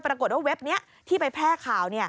ปรากฏว่าเว็บนี้ที่ไปแพร่ข่าว